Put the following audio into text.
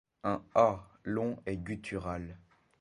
Un « A », long et guttural.